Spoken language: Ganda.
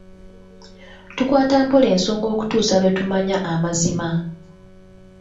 Tukwata mpola ensonga okutuusa lwe tumanya amazima.